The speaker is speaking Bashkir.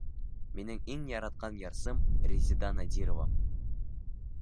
Минең иң яратҡан йырсым Резеда Надирова!